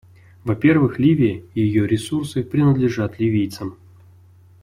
Во-первых, Ливия и ее ресурсы принадлежат ливийцам.